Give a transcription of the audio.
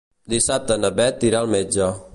Dissabte na Beth irà al metge.